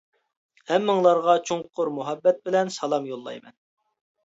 ھەممىڭلارغا چوڭقۇر مۇھەببەت بىلەن سالام يوللايمەن.